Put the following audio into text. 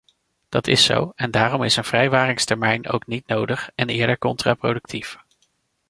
Dat is zo, en daarom is een vrijwaringstermijn ook niet nodig, en eerder contraproductief.